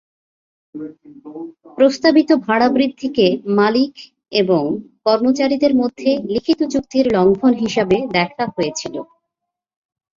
প্রস্তাবিত ভাড়া বৃদ্ধিকে মালিক এবং কর্মচারীদের মধ্যে লিখিত চুক্তির লঙ্ঘন হিসাবে দেখা হয়েছিল।